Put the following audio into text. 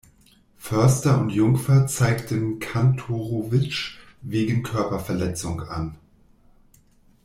Förster und Jungfer zeigten Kantorowicz wegen Körperverletzung an.